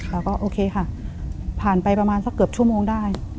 โอเคค่ะผ่านไปประมาณสักเกือบชั่วโมงได้